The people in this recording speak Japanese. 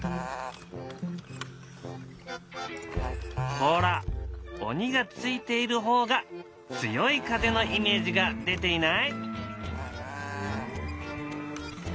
ほら鬼が付いている方が強い風のイメージが出ていない？